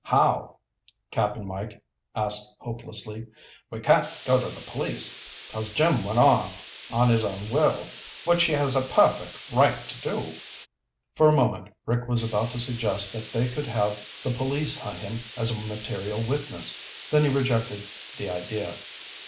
"How?" Cap'n Mike asked hopelessly. "We can't go to the police, 'cause Jim went off of his own will, which he has a perfect right to do." For a moment Rick was about to suggest that they could have the police hunt him as a material witness, then he rejected the idea.